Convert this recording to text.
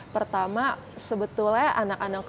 pertama sebetulnya anak anak